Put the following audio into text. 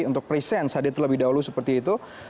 untuk presence hadir terlebih dahulu seperti itu